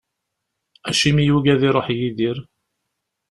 Acimi yugi ad iruḥ Yidir?